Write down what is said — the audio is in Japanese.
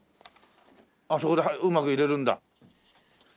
あっそこでうまく入れるんだ。